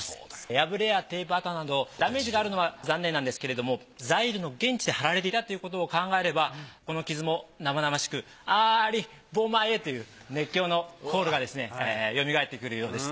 破れやテープ跡などダメージがあるのは残念なんですけれどもザイールの現地で貼られていたということを考えればこの傷も生々しく「アリボマイエ！」という熱狂のコールがですねよみがえってくるようです。